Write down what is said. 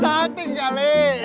satu ya le